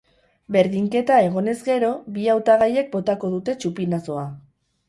Berdinketa egonez gero, bi hautagaiek botako dute txupinazoa.